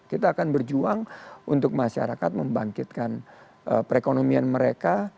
kita akan berjuang untuk masyarakat membangkitkan perekonomian mereka